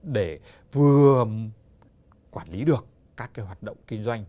để vừa quản lý được các hoạt động kinh doanh